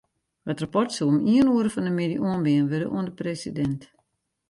It rapport soe om ien oere fan 'e middei oanbean wurde oan de presidint.